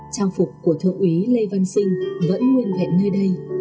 trang phục của thượng úy lê văn sinh vẫn nguyên vẹn nơi đây